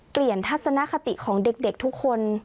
เปลี่ยนทัศนคติของเด็กทุกคน